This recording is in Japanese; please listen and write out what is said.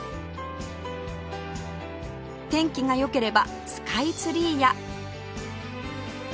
天気が良ければスカイツリーや